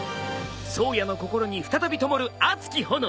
颯也の心に再びともる熱き炎。